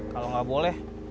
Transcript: kalau gak boleh